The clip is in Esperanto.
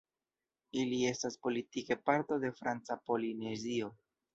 Ili estas politike parto de Franca Polinezio.